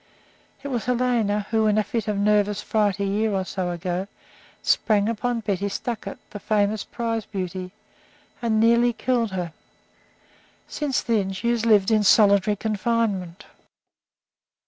It was Helena who, in a fit of nervous fright a year or two ago, sprang upon Betty Stuckart, the famous prize beauty, and nearly killed her. Since then she has lived in solitary confinement.